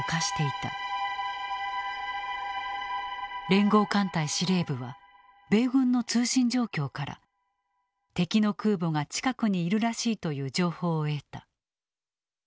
連合艦隊司令部は米軍の通信状況から敵の空母が近くにいるらしいという情報を得た。